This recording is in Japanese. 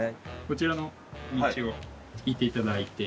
こちらの道を行っていただいて。